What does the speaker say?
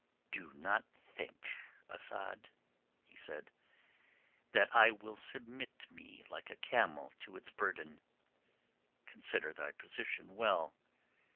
"Do not think, Asad," he said, "that I will submit me like a camel to its burden. Consider thy position well.